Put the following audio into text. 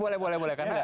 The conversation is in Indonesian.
boleh boleh karena dengan